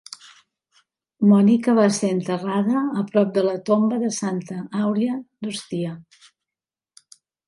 Mònica va ser enterrada a prop de la tomba de Santa Aurea d'Ostia.